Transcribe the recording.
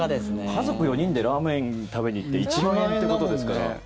家族４人でラーメンを食べに行って１万円っていうことですから。